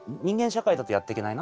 社会だとやっていけない。